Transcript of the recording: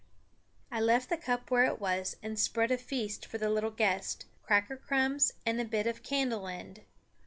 I left the cup where it was and spread a feast for the little guest, cracker crumbs and a bit of candle end.